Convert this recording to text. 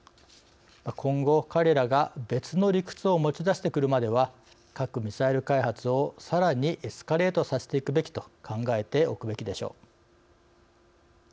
今後、彼らが別の理屈を持ち出してくるまでは核・ミサイル開発をさらにエスカレートさせていくべきと考えておくべきでしょう。